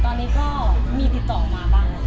ตอนนี้ก็มีติดต่อมาบ้าง